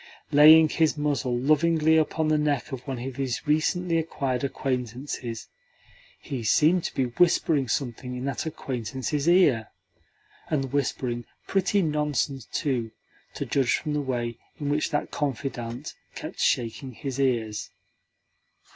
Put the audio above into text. Laying his muzzle lovingly upon the neck of one of his recently acquired acquaintances, he seemed to be whispering something in that acquaintance's ear and whispering pretty nonsense, too, to judge from the way in which that confidant kept shaking his ears.